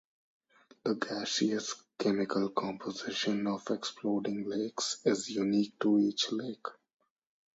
The gaseous chemical composition of exploding lakes is unique to each lake.